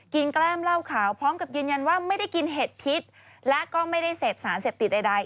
แกล้มเหล้าขาวพร้อมกับยืนยันว่าไม่ได้กินเห็ดพิษและก็ไม่ได้เสพสารเสพติดใด